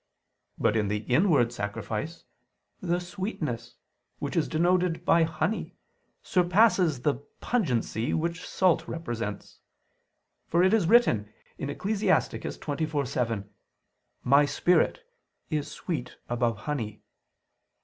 But in the inward sacrifice, the sweetness, which is denoted by honey, surpasses the pungency which salt represents; for it is written (Ecclus. 24:27): "My spirit is sweet above honey."